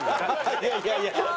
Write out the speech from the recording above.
いやいやいや。